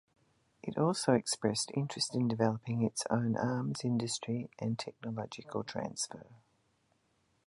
It also expressed interest in developing its own arms industry and technological transfer.